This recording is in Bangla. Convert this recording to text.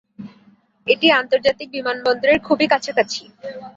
এটি আন্তর্জাতিক বিমানবন্দরের খুব কাছাকাছি।